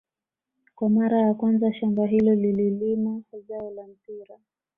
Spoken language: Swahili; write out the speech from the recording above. Kwa mara ya kwanza shamba hilo lililima zao la mpira